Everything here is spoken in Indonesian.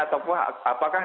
atau apakah nanti akan berlalu